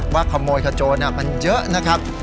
ว่าขโมยขโจรมันเยอะนะครับ